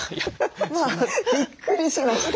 びっくりしました。